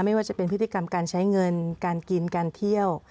ไม่ว่าจะเป็นพฤติกรรมการใช้เงินการกินการเที่ยว